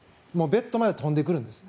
ベッドまで飛んでくるんです。